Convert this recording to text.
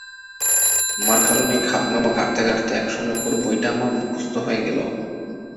মার কারণেই খাবনামা ঘাঁটতে-ঘাঁটতে একসময় পুরো বইটা আমার মুখস্থ হয়ে গেল।